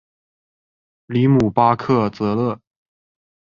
里姆巴克泽勒。